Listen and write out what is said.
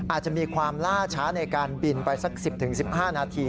อาจจะมีความล่าช้าในการบินไปสัก๑๐๑๕นาที